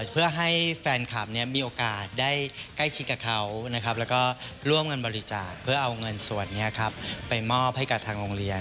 เพื่อให้แฟนคลับมีโอกาสได้ใกล้ชิดกับเขานะครับแล้วก็ร่วมเงินบริจาคเพื่อเอาเงินส่วนนี้ไปมอบให้กับทางโรงเรียน